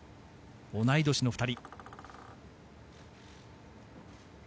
同い年の２人。